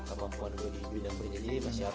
kemampuan gue di bidang berdiri masih